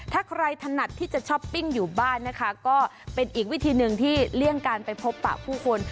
ถ้าใครถนัดที่จะช้อปปิ้งอยู่บ้านนะคะก็เป็นอีกวิธีหนึ่งที่เลี่ยงการไปพบปะผู้คน